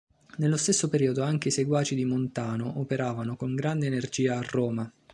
Nello stesso periodo anche i seguaci di Montano operavano con grande energia a Roma.